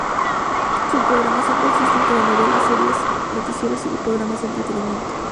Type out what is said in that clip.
Su programación consiste en telenovelas, series, noticieros y programas de entretenimiento.